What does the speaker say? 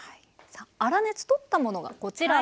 さあ粗熱取ったものがこちらです。